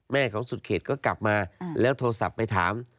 แม่ของสุดเขตก็กลับมาแล้วโทรศัพท์ไปถาม